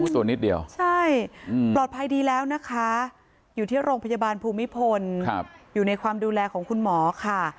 ส่วนนิดเดียวใช่ปลอดภัยดีแล้วนะคะอยู่ที่โรงพยาบาลภูมิพลอยู่ในความดูแลของคุณหมอค่ะ